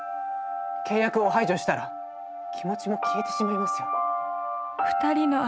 契約を排除したら気持ちも消えてしまいますよ。